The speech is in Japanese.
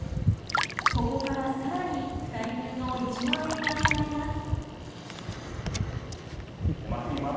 ここから更に２人分の１万円が引かれます。